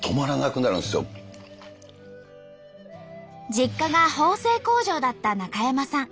実家が縫製工場だった中山さん。